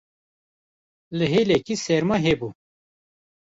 li hêlekê serma hebû